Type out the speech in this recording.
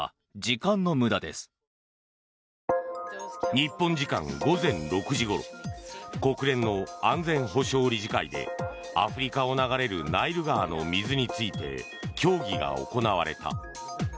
日本時間午前６時ごろ国連の安全保障理事会でアフリカを流れるナイル川の水について協議が行われた。